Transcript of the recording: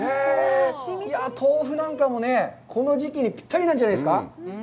豆腐なんかもね、この時期にぴったりなんじゃないですか。